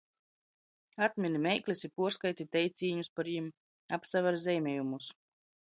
Atmini meiklis i puorskaiti teicīņus par jim, apsaver zeimiejumus!